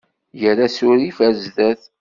Ger asurif ar zdat!